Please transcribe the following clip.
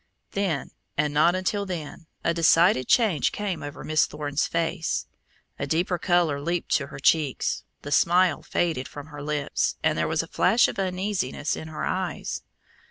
Then, and not until then, a decided change came over Miss Thorne's face. A deeper color leaped to her cheeks, the smile faded from her lips, and there was a flash of uneasiness in her eyes.